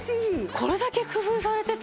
これだけ工夫されてて。